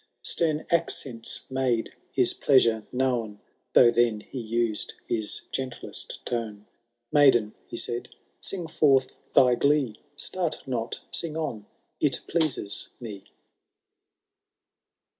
Stem accents made his pleasure known. Though then he used his gentlest tone'. Maiden, he said, sing forth thy glee. Start not— sing on— it pleases me.